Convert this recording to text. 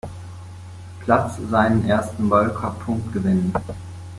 Platz seinen ersten Weltcup-Punkt gewinnen.